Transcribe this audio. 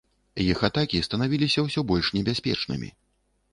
Іх атакі станавіліся ўсё больш небяспечнымі.